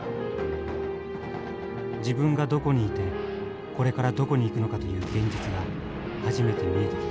自分がどこにいてこれからどこに行くのかという現実が初めて見えてきた。